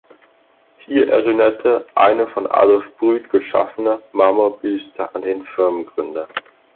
Hier erinnerte eine von Adolf Brütt geschaffene Marmorbüste an den Firmengründer.